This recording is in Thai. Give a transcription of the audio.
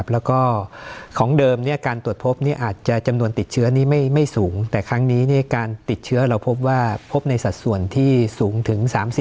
แล้วก็ของเดิมการตรวจพบอาจจะจำนวนติดเชื้อนี้ไม่สูงแต่ครั้งนี้การติดเชื้อเราพบว่าพบในสัดส่วนที่สูงถึง๓๐